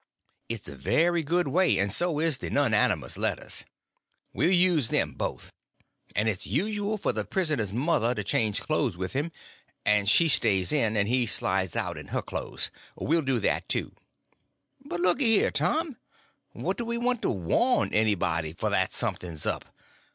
It's a very good way, and so is the nonnamous letters. We'll use them both. And it's usual for the prisoner's mother to change clothes with him, and she stays in, and he slides out in her clothes. We'll do that, too." "But looky here, Tom, what do we want to warn anybody for that something's up?